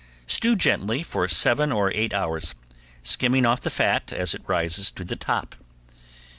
Stew gently for seven or eight hours, skimming off the fat as it rises to the top.